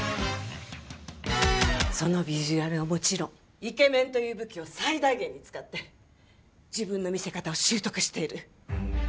そのビジュアルはもちろんイケメンという武器を最大限に使って自分の魅せ方を習得している。